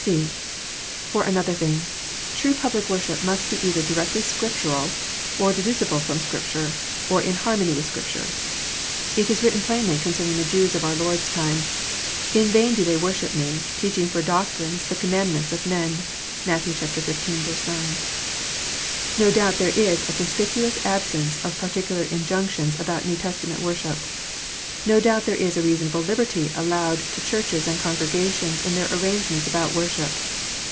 (c) For another thing, true public worship must be either directly Scriptural, or deducible from Scripture, or in harmony with Scripture. It is written plainly concerning the Jews of our Lord s time, " In vain do they worship Me, teaching for doctrines the commandments of men." (Matt. xv. 9.) No doubt there is a conspicuous absence of particular injunctions about New Testament worship. No doubt there is a reasonable liberty allowed to Churches and congregations in their arrange ments about worship.